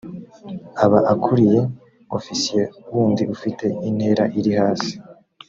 aba akuriye ofisiye wundi ufite intera iri hasi